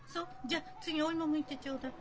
じゃあ次お芋むいてちょうだい。